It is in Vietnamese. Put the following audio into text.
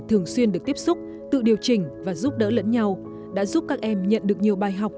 thường xuyên được tiếp xúc tự điều chỉnh và giúp đỡ lẫn nhau đã giúp các em nhận được nhiều bài học